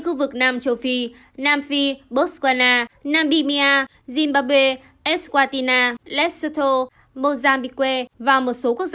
khu vực nam châu phi nam phi botswana nambimia zimbabwe eswatina lesotho mozambique và một số